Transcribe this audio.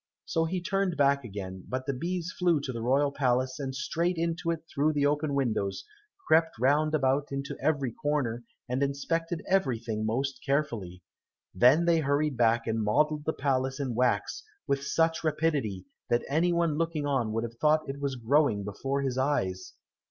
So he turned back again, but the bees flew to the royal palace and straight into it through the open windows, crept round about into every corner, and inspected everything most carefully. Then they hurried back and modelled the palace in wax with such rapidity that any one looking on would have thought it was growing before his eyes.